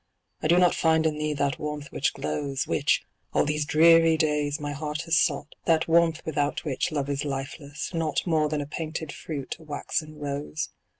I do not find in thee that warmth which glows, Which, all these dreary days, my heart has sought, That warmth without which love is lifeless, naught More than a painted fruit, a waxen rose.